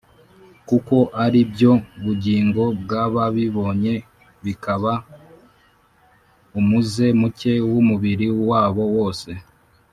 kuko ari byo bugingo bw’ababibonye, bikaba umuze muke w’umubiri wabo wose